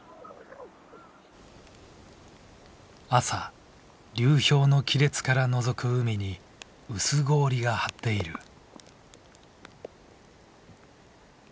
朝流氷の亀裂からのぞく海に薄氷が張っている。